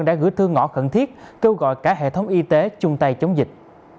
đã gửi thư ngõ khẩn thiết kêu gọi cả hệ thống y tế chung tay chống dịch